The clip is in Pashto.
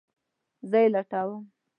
زه یی لټوم